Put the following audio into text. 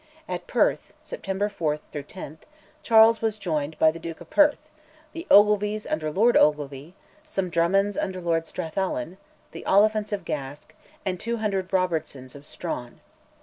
At Perth (September 4 10) Charles was joined by the Duke of Perth, the Ogilvys under Lord Ogilvy, some Drummonds under Lord Strathallan, the Oliphants of Gask, and 200 Robertsons of Struan.